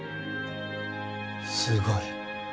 すごい。